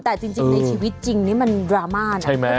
แต่จริงในชีวิตจริงนี่มันดราม่านะใช่ไหม